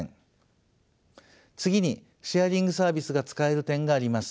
次にシェアリングサービスが使える点があります。